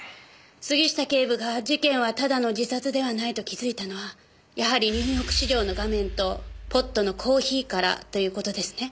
杉下警部が事件はただの自殺ではないと気づいたのはやはりニューヨーク市場の画面とポットのコーヒーからという事ですね？